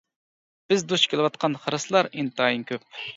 بىز دۇچ كېلىۋاتقان خىرىسلار ئىنتايىن كۆپ.